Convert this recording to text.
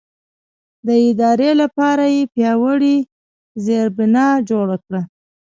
د ادارې لپاره یې پیاوړې زېربنا جوړه کړه.